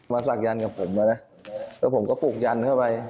มาศักดิ์ยันต์กับผมแล้วนะแล้วผมก็ปลุกยันต์เข้าไป